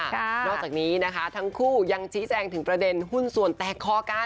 นอกจากนี้นะคะทั้งคู่ยังชี้แจงถึงประเด็นหุ้นส่วนแตกคอกัน